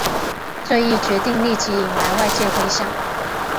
这一决定立即引来外界回响。